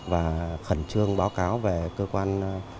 và khẩn trương báo cáo về cơ quan